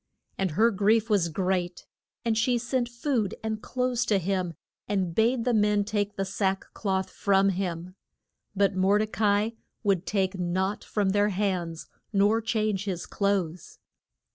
And her grief was great, and she sent food and clothes to him, and bade the men take the sack cloth from him. But Mor de ca i would take nought from their hands, nor change his clothes.